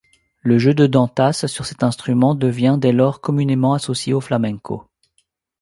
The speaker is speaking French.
Le jeu de Dantas sur cet instrument devient, dès lors, communément associé au flamenco.